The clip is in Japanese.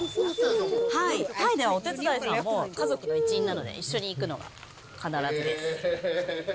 タイでは、お手伝いさんも家族の一員なので、一緒に行くのが必ずです。